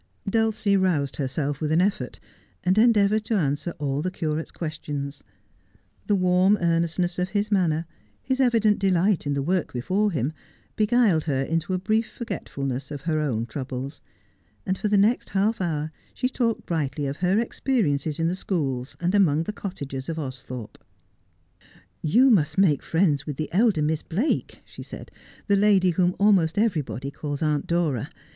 Dulcie roused herself with an effort, and endeavoured to answer all the curate's questions. The warm earnestness of his manner, his evident delight in the work before him, beguiled her into a brief forgetfulness of her own troubles, and for the next half hour she talked brightly of her experiences in the schools and among the cottagers of Austhorpe. An Earnest Man. 229 'You must make friends with the elder Miss Blake/ she said, ' the lady whom almost everybody calls Aunt Dora.